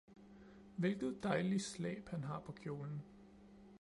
hvilket dejligt slæb han har på kjolen!